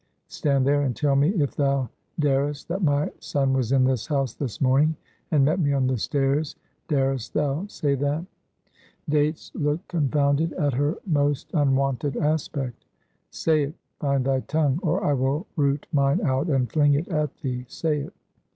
Stand there and tell me if thou darest, that my son was in this house this morning and met me on the stairs. Darest thou say that?" Dates looked confounded at her most unwonted aspect. "Say it! find thy tongue! Or I will root mine out and fling it at thee! Say it!"